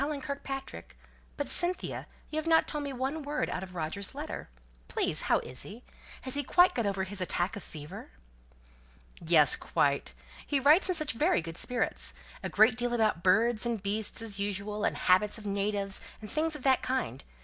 But, Cynthia, you haven't told me one word out of Roger's letter. Please, how is he? Has he quite got over his attack of fever?" "Yes, quite. He writes in very good spirits. A great deal about birds and beasts, as usual, habits of natives, and things of that kind.